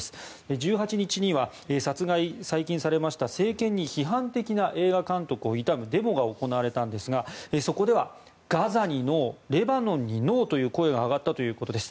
１８日には最近、殺害されました政権に批判的な映画監督を悼むデモが行われたんですがそこでは、ガザにノーレバノンにノーという声が上がったということです。